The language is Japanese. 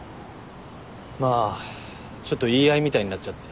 まあちょっと言い合いみたいになっちゃって。